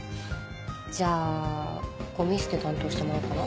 じゃあゴミ捨て担当してもらおうかな？